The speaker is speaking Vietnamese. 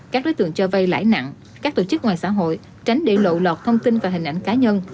các đối tượng cho vay lãi nặng các tổ chức ngoài xã hội tránh để lộ lọt thông tin và hình ảnh cá nhân